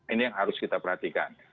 ini yang harus kita perhatikan